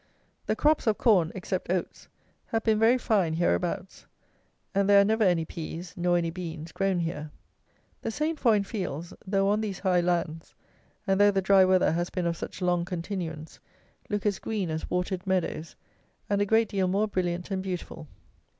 The crops of corn, except oats, have been very fine hereabouts; and there are never any pease, nor any beans, grown here. The sainfoin fields, though on these high lands, and though the dry weather has been of such long continuance, look as green as watered meadows, and a great deal more brilliant and beautiful.